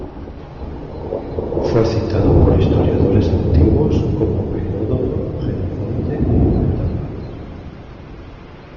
Fue citado por historiadores antiguos, como Heródoto, Jenofonte y Plutarco.